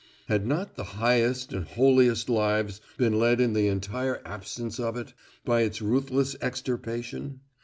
Had not the highest and holiest lives been led in the entire absence of it, by its ruthless extirpation?